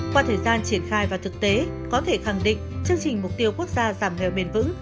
qua thời gian triển khai và thực tế có thể khẳng định chương trình mục tiêu quốc gia giảm nghèo bền vững